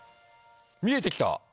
見えてきた！